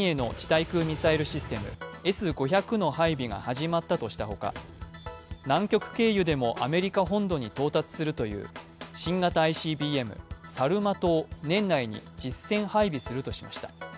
対空ミサイルシステムＳ５００の配備が始まったとしたほか、南極経由でもアメリカ本土に到達するという新型ＩＣＢＭ、サルマトを年内に実戦配備するとしました。